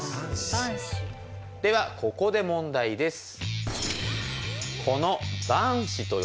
ではここで問題です。